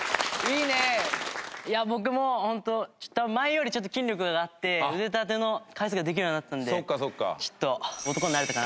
いや僕もホント多分前よりちょっと筋力があって腕立ての回数ができるようになったんでちょっと男になれたかな。